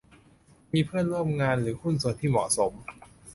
มีเพื่อนร่วมงานหรือหุ้นส่วนที่เหมาะสม